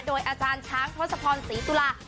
โดยอาจารย์ช้างทศพรศรีตุลา